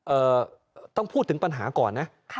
ต้องพูดถึงปัญหาก่อนนะ